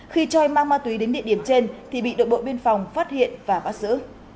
khi choi mang ma túy đến địa điểm trên thì bị đội bộ biên phòng phát hiện và bắt giữ